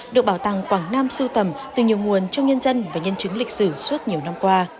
được bảo tàng quảng nam sưu tầm từ nhiều nguồn trong nhân dân và nhân chứng lịch sử suốt nhiều năm qua